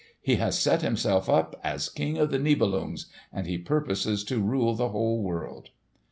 He has set himself up as King of the Nibelungs, and he purposes to rule the whole world."